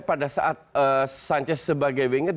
pada saat sanchez sebagai winger